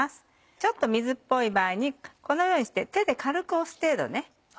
ちょっと水っぽい場合このようにして手で軽く押す程度。